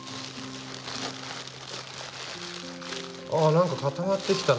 あなんか固まってきたな。